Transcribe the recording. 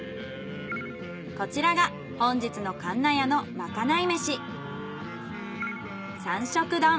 こちらが本日のかんなやのまかないめし。